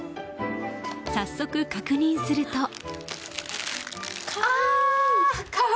早速、確認すると。